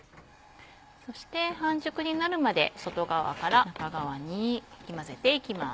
そして半熟になるまで外側から中側にかき混ぜていきます。